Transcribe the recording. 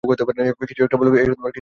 কিছু একটা বলো।